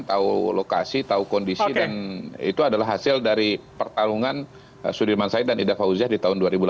tahu lokasi tahu kondisi dan itu adalah hasil dari pertarungan sudirman said dan ida fauziah di tahun dua ribu delapan belas